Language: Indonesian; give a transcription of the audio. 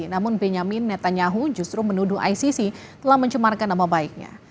namun benyamin netanyahu justru menuduh icc telah mencemarkan nama baiknya